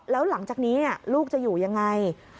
แล้วหลังจากนี้ลูกจะอยู่ยังไง